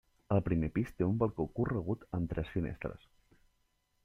El primer pis té un balcó corregut amb tres finestres.